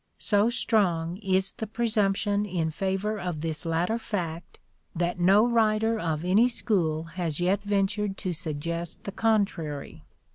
So strong is the presumption in favour of this latter fact that no writer of any school has yet ventured to suggest the contrary.